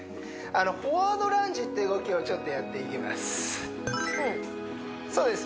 フォワードランジって動きをちょっとやっていきますそうです